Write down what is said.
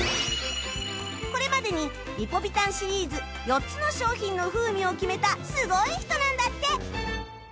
これまでにリポビタンシリーズ４つの商品の風味を決めたすごい人なんだって！